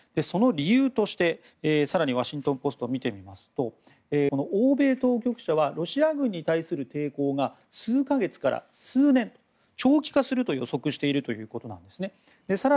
その理由として更に、ワシントン・ポストを見てみますと欧米当局者はロシア軍に対する抵抗が数か月から数年、長期化すると予測しているということなんですね。